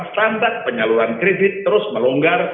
standar penyaluran kredit terus melonggar